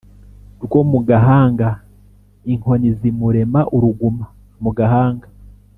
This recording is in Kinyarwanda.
rwo mu gahanga (inkoni zimurema uruguma mu gahanga)